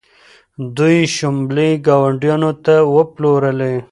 دوی شوبلې ګاونډیانو ته وپلورلې.